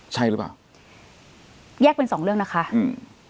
ใช่หรือเปล่าแยกเป็นสองเรื่องนะคะอืม